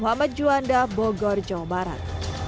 muhammad juanda bogor jawa barat